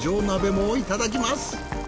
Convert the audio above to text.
鍋もいただきます。